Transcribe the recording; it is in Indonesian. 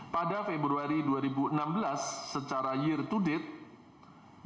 pada februari dua ribu enam belas secara year to date